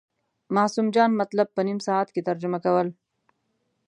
معصوم جان مطلب په نیم ساعت کې ترجمه کول.